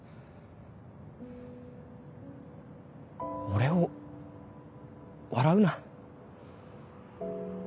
俺を笑うな。